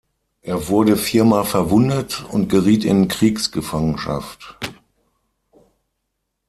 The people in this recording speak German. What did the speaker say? Er wurde viermal verwundet und geriet in Kriegsgefangenschaft.